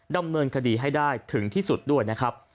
ดำเนินคดีให้ได้ถึงที่สุดด้วยนะครับ